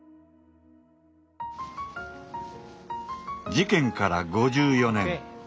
事件から５４年。